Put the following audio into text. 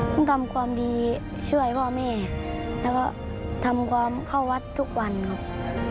ผมทำความดีช่วยพ่อแม่แล้วก็ทำความเข้าวัดทุกวันครับ